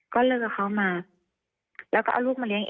ก็เลิกกับเขามาแล้วก็เอาลูกมาเลี้ย